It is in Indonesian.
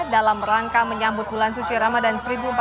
dalam rangka menyambut bulan suci ramadan seribu empat ratus empat puluh